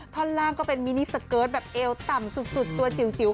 ท่อนล่างก็เป็นมินิสเกิร์ตแบบเอวต่ำสุดตัวจิ๋ว